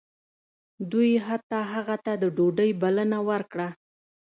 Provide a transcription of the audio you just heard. دوی حتی هغه ته د ډوډۍ بلنه ورکړه